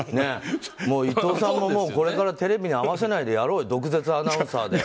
伊藤さんもこれからテレビに合わせないでやろうよ、毒舌アナウンサーで。